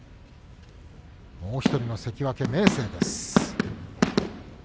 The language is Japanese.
もう１人の関脇明生です。